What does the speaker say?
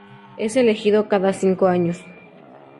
Es elegido cada cinco años.